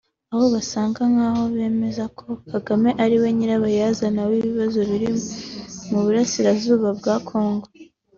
Aho basaga nk’aho bemeza ko Kagame ariwe nyirabayazana w’ibibazo biri mu burasirazuba bwa Congo